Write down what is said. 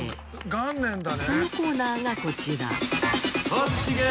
そのコーナーがこちら。